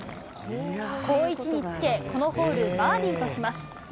好位置につけ、このホール、バーディーとします。